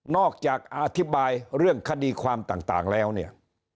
จากอธิบายเรื่องคดีความต่างแล้วเนี่ย